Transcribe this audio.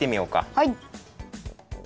はい。